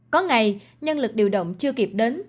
có ngày nhân lực điều động chưa kịp đến